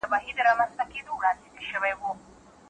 میوه تر ډوډۍ مخکې ښه ده.